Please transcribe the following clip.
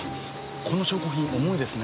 この証拠品重いですね。